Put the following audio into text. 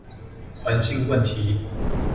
環境問題